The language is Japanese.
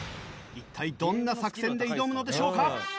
一体どんな作戦で挑むのでしょうか？